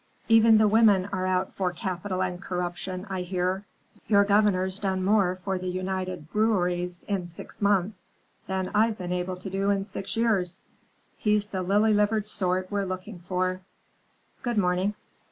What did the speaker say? Even the women are out for capital and corruption, I hear. Your Governor's done more for the United Breweries in six months than I've been able to do in six years. He's the lily livered sort we're looking for. Good morning."